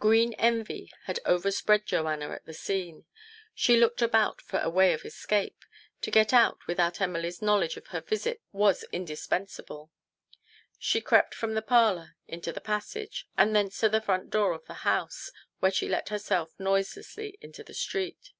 Green envy had overspread Joanna at the scene. She looked about for a way of escape. To get out without Emily's knowledge of her visit was indispensable. She crept from the parlour into the passage, and thence to the front door of the house, w T here she let herself noiselessly into the street.